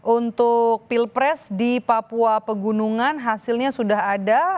untuk pilpres di papua pegunungan hasilnya sudah ada